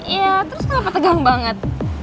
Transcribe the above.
iya terus kenapa tegang banget